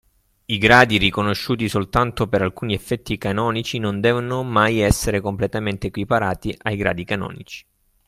I gradi riconosciuti soltanto per alcuni effetti canonici non devono mai essere completamente equiparati ai gradi canonici.